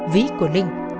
ví của linh